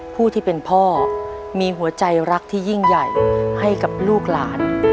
ผู้ที่เป็นพ่อมีหัวใจรักที่ยิ่งใหญ่ให้กับลูกหลาน